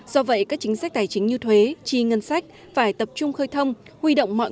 do vậy các chính sách tài chính như thuế chi ngân sách phải tập trung khơi thông huy động mọi